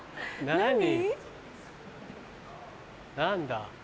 何だ？